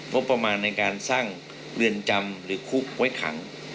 ประมาณในการสร้างเรือนจำหรือคุกไว้ขัง